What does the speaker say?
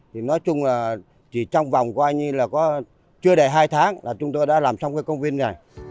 thì nói chung là chỉ trong vòng coi như là có chưa đầy hai tháng là chúng tôi đã làm xong cái công viên này